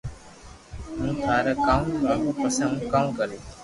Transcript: ھون ٿاري ڪاوُ لاگو پسي ھون ڪاو ڪري